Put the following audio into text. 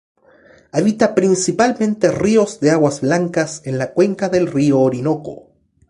Habita principalmente ríos de aguas blancas de la cuenca del Río Orinoco.